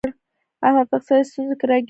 احمد په اقتصادي ستونزو کې راگیر دی